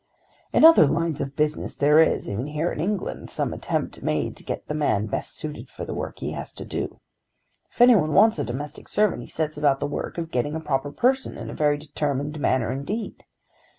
"In other lines of business there is, even here in England, some attempt made to get the man best suited for the work he has to do. If any one wants a domestic servant he sets about the work of getting a proper person in a very determined manner indeed.